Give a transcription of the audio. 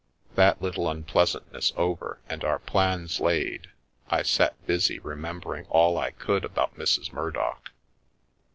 That little unpleasantness over and our plans laid, I sat busy remem bering all I could about Mrs. Murdock.